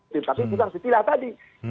tapi kita harus pilih tadi